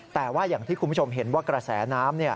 แต่ว่าอย่างที่คุณผู้ชมเห็นว่ากระแสน้ำ